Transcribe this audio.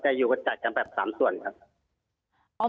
แต่อยู่กันจัดกันแบบ๓ส่วนครับ